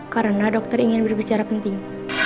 karena dokter ingin berbicara penting